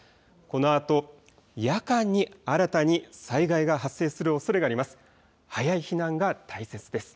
このあと夜間に新たに災害が発生するおそれがあります。